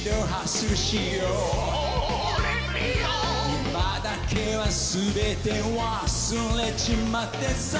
「今だけはスベテ忘れちまってさ」